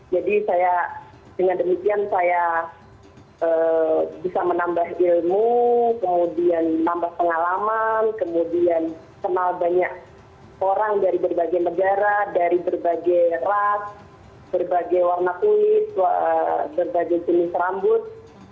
saya dengan demikian saya bisa menambah ilmu kemudian nambah pengalaman kemudian kenal banyak orang dari berbagai negara dari berbagai ras berbagai warna kunis berbagai jenis rambut